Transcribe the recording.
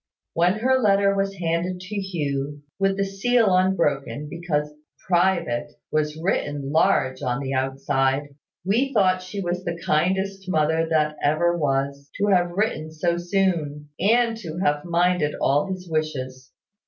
When her letter was handed to Hugh, with the seal unbroken, because `private' was written large on the outside, we thought she was the kindest mother that ever was, to have written so soon, and to have minded all his wishes.